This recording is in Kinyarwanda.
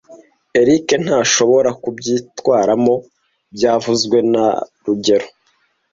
Eric ntashobora kubyitwaramo byavuzwe na rugero